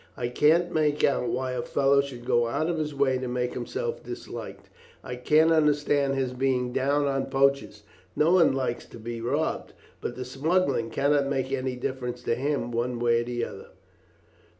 I can't make out why a fellow should go out of his way to make himself disliked. I can understand his being down on poachers; no one likes to be robbed, but the smuggling cannot make any difference to him one way or the other."